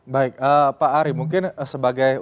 baik pak ari mungkin sebagai undang undang